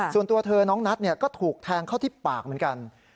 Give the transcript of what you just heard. ส่วนตัวเธอน้องนัทก็ถูกแทงเข้าที่ปากเหมือนกัน